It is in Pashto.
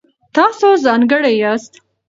تاسو ځانګړي یاست.